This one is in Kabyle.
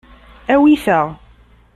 Awi ta.